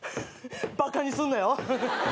バカにすんなよ。